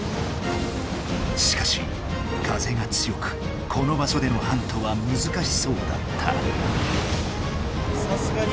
しかし風が強くこの場しょでのハントはむずかしそうだった。